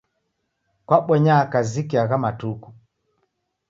Kwabonyaa kaziki agha matuku?